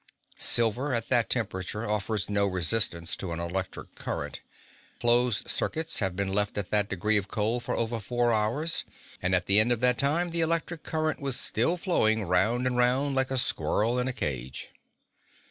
Silver at that temperature offers no resistance to an electric current. Closed circuits have been left at that degree of cold for over four hours, and at the end of that time the electric current was still flowing round and round like a squirrel in a cage."